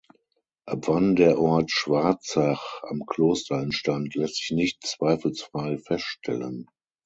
Ab wann der Ort Schwarzach am Kloster entstand, lässt sich nicht zweifelsfrei feststellen.